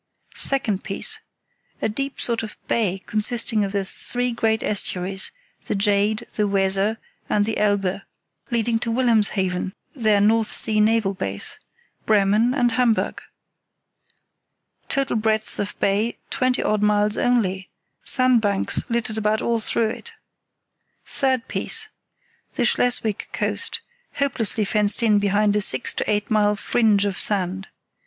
Second piece: a deep sort of bay consisting of the three great estuaries—the Jade, the Weser and the Elbe—leading to Wilhelmshaven (their North Sea naval base), Bremen, and Hamburg; total breadth of bay, twenty odd miles only; sandbanks littered about all through it. Third piece: the Schleswig coast, hopelessly fenced in behind a six to eight mile fringe of sand.